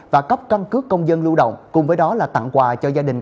và cấp căn cước công dân lưu động cùng với đó là tặng quà cho gia đình